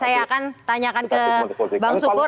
saya akan tanyakan ke bang sukur